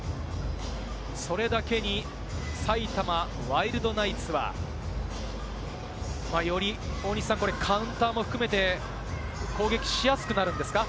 それだけに埼玉ワイルドナイツは、より大西さん、カウンターも含めて、攻撃しやすくなるんですか？